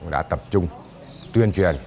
đã tập trung tuyên truyền